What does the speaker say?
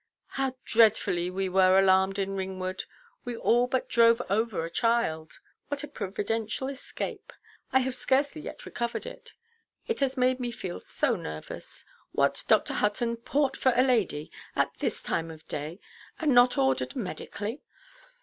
How dreadfully we were alarmed in Ringwood. We all but drove over a child. What a providential escape! I have scarcely yet recovered it. It has made me feel so nervous. What, Dr. Hutton, port for a lady, at this time of day, and not ordered medically!"